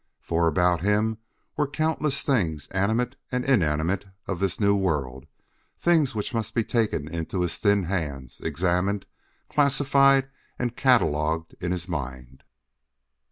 For, about him, were countless things animate and inanimate of this new world, things which must be taken into his thin hands, examined, classified and catalogued in his mind.